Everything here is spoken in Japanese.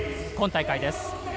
今大会です。